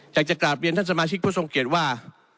อยากจะกราบเรียนท่านสมาชิกผู้ทรงเกียจว่า